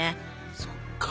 そっか。